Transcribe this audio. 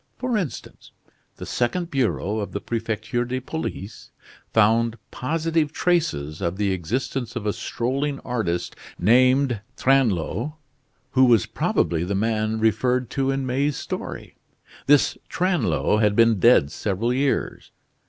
For instance, the second bureau of the Prefecture de Police found positive traces of the existence of a strolling artist, named Tringlot, who was probably the man referred to in May's story. This Tringlot had been dead several years.